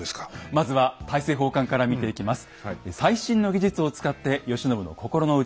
まずは大政奉還から見ていきます。